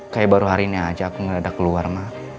kayak baru hari ini aja aku nggak ada keluar mah